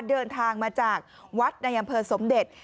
เดินทางมาจากวัดในอำเภอสมเด็จ